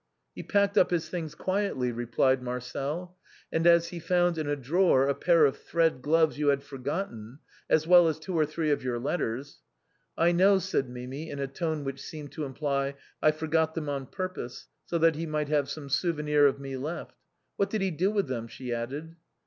" He packed up his things quietly," replied Marcel, " and as he found in a drawer a pair of thread gloves you had for gotten, as well as two or three of your letters "" I know," said ]\Iimi, in a tone which seemed to imply, * I forgot them on purpose, so that he might have some souvenir of me left!' What did he do with them?" she added.